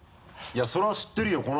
いやそれは知ってるよ